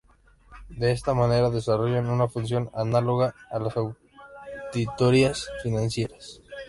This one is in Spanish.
De esta manera desarrollan una función análoga a las auditorías financieras.